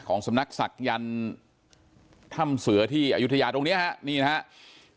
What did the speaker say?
ของสำนักศักยรรย์ถ้ำเสือที่อยุธยาตรงนี้นะครับ